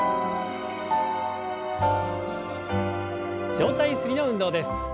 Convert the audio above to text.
上体ゆすりの運動です。